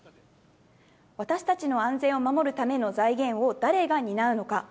私たちの安全を守るための財源をだれが担うのか。